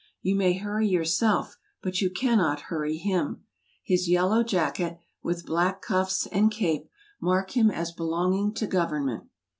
You may hurry yourself, but you cannot hurry him. His yellow jacket, with black cuds and cape, mark him as belonging to Government.